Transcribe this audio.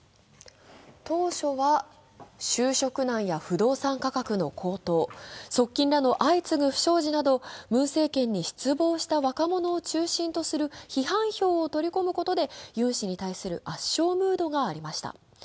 当初は就職難や不動産価格の高騰、側近らの相次ぐ不祥事など、ムン政権に失望した若者中心とする批判票を取り込むことでユン氏に対する圧勝ムードがありました。